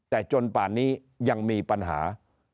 แต่จนป่านนี้ยังมีปัญหา